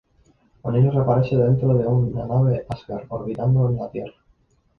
O'Neill reaparece dentro de en una nave Asgard, orbitando la Tierra.